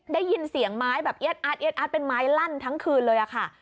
ได้ยินเสียงไม้แบบเอียดอัดเอี๊ยอัดเป็นไม้ลั่นทั้งคืนเลยค่ะ